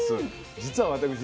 実は私ね